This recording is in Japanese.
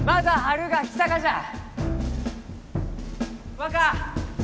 若！